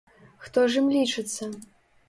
Хто ж ім лічыцца?